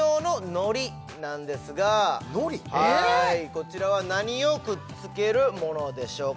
こちらは何をくっつけるものでしょうか？